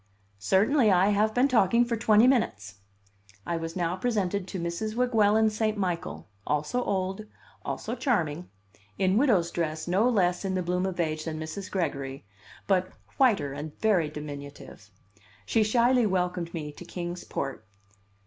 "Certainly. I have been talking for twenty minutes." I was now presented to Mrs. Weguelin St. Michael, also old, also charming, in widow's dress no less in the bloom of age than Mrs. Gregory, but whiter and very diminutive. She shyly welcomed me to Kings Port.